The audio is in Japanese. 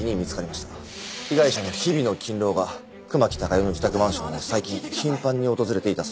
被害者の日比野近郎が熊木貴代の自宅マンションを最近頻繁に訪れていたそうです。